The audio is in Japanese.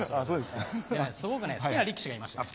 すごく好きな力士がいましてね。